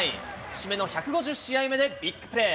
節目の１５０試合目でビッグプレー。